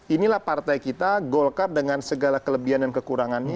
inilah partai kita golkar dengan segala kelebihan dan kekurangannya